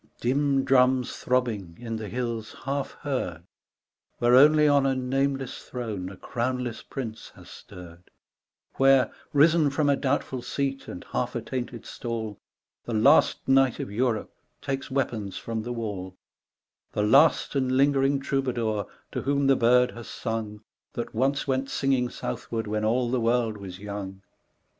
Dim drums throbbing, in the hills half heard, Where only on a nameless throne a crownless prince has stirred, Where, risen from a doubtful seat and half at tainted stall, The last knight of Europe takes weapons from the wall, The last and lingering troubadour to whom the bird has sung, That once went singing southward when all the world was young.